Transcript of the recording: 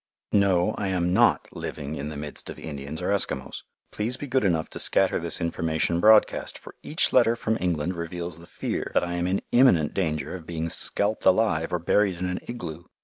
No, I am not living in the midst of Indians or Eskimos. Please be good enough to scatter this information broadcast, for each letter from England reveals the fear that I am in imminent danger of being scalped alive or buried in an igloo.